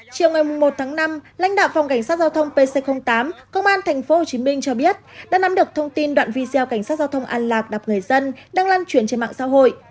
chiều ngày một tháng năm lãnh đạo phòng cảnh sát giao thông pc tám công an tp hcm cho biết đã nắm được thông tin đoạn video cảnh sát giao thông an lạc người dân đang lan truyền trên mạng xã hội